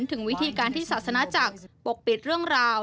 ถึงวิธีการที่ศาสนาจักรปกปิดเรื่องราว